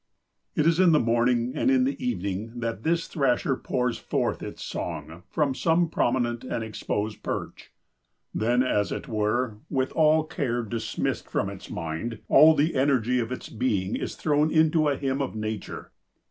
It is in the morning and in the evening that this Thrasher pours forth its song from some prominent and exposed perch. Then, as it were, with all care dismissed from its mind, all the energy of its being is thrown into a hymn of nature.